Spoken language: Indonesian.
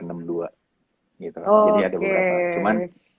jadi ada beberapa